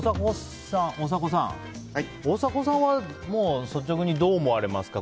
大迫さんは率直にどう思われますか？